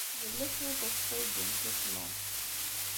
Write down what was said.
Yella cwiṭ n ukeffay deg yimsismeḍ.